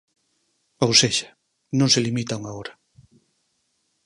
Ou sexa, non se limita a unha hora.